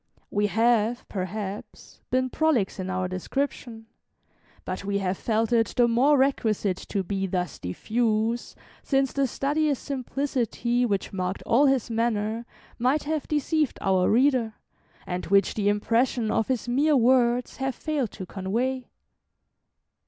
We have, perhaps, been prolix in our description; but we have felt it the more requisite to be thus diffuse, since the studious simplicity which marked all his manner might have deceived our reader, and which the impression of his mere words have failed to convey.